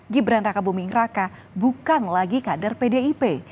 gibran raka buming raka bukan lagi kader pdip